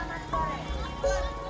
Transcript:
ketar kita yuk